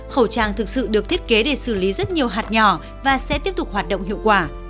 khẩu trang thực sự được thiết kế để xử lý rất nhiều hạt nhỏ và sẽ tiếp tục hoạt động hiệu quả